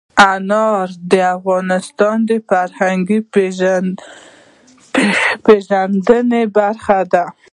انار د افغانانو د فرهنګي پیژندنې برخه ده.